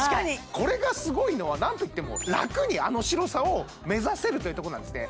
これがすごいのは何と言っても楽にあの白さを目指せるというとこなんですね